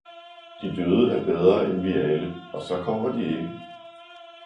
de døde er bedre end vi alle, og så kommer de ikke.